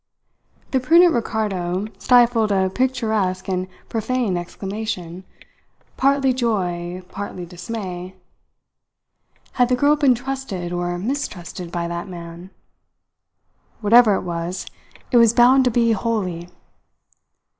The prudent Ricardo stifled a picturesque and profane exclamation, partly joy, partly dismay. Had the girl been trusted or mistrusted by that man? Whatever it was, it was bound to be wholly!